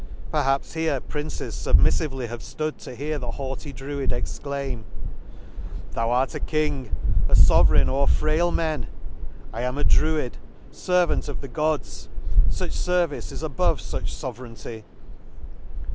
— Perhaps here Princes fubmiffively have flood to hear the haughty druid ex laim —" Thou art a king, a fovereign o'er frail men ;" I am a druid, fervant of the Gods ; cc Such fervice is above fuch fovereignty *.